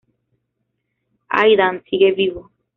Aidan sigue vivo.